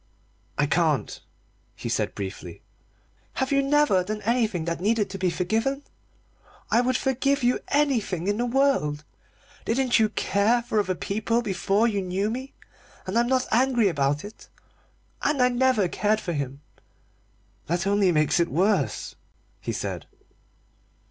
"I can't," he said briefly. "Have you never done anything that needed to be forgiven? I would forgive you anything in the world! Didn't you care for other people before you knew me? And I'm not angry about it. And I never cared for him." "That only makes it worse," he said.